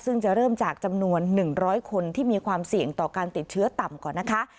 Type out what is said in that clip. ซึ่งจะเริ่มจากจำนวน๑๐๐คนที่มีความเสี่ยงต่อการติดเชื้อต่ำก่อนนะคะ